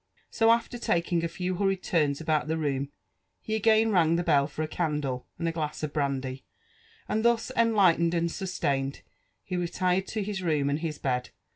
So, after taking a few hurried turns about the room, he again rang the bell for a candle and a glass of brandy ; and thusjenliglitened and sustained, he retired to his room and his bed